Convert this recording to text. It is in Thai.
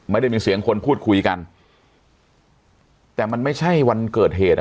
ไม่มีเสียงคนพูดคุยกันแต่มันไม่ใช่วันเกิดเหตุอ่ะ